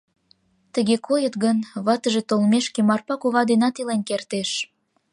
Тыге койыт гын, ватыже толмешке Марпа кува денат илен кертеш.